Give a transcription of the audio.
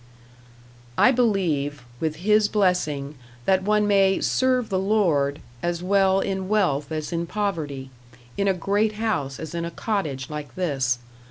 "I believe, with His blessing, that one may 'serve the Lord' as well in wealth as in poverty, in a great house as in a cottage like this.